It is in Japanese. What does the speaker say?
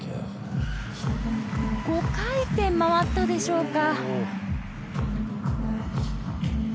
５回転、回ったでしょうか。